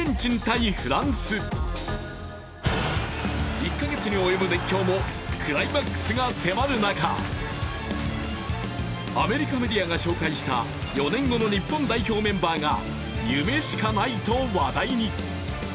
１か月に及ぶ熱狂もクライマックスが迫る中アメリカメディアが紹介した４年後の日本代表メンバーが夢しかないと話題に。